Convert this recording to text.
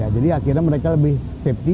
jadi akhirnya mereka lebih safety